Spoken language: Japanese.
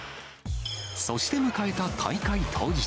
そして迎えた大会当日。